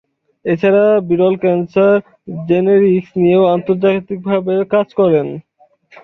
এছাড়া বিরল cancer genetics নিয়েও আন্তর্জাতিকভাবে কাজ করেন।